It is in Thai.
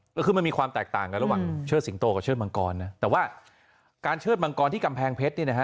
ก็คือมันมีความแตกต่างกันระหว่างเชิดสิงโตกับเชิดมังกรนะแต่ว่าการเชิดมังกรที่กำแพงเพชรเนี่ยนะฮะ